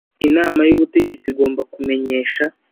Inama y ubutegetsi igomba kumenyesha